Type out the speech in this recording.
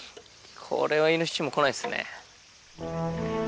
これはイノシシも来ないっすね。